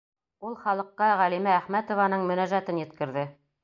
Ул халыҡҡа Ғәлимә Әхмәтованың мөнәжәтен еткерҙе.